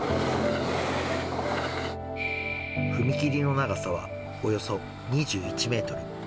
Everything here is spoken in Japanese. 踏切の長さはおよそ２１メートル。